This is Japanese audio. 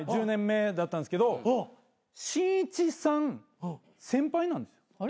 １０年目だったんですけどしんいちさん先輩なんですよ。